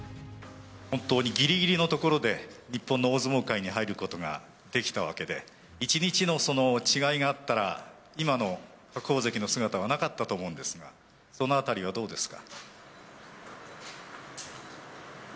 本当にぎりぎりのところで、日本の大相撲界に入ることができたわけで、一日の違いがあったら、今の白鵬関の姿はなかったと思うんですが、そのあたりはどうですか。